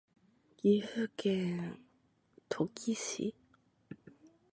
岐阜県土岐市